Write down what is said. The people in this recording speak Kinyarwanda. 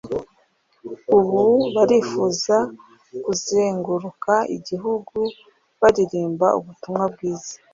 ubu barifuza kuzenguruka igihugu baririmba ubutumwa bwiza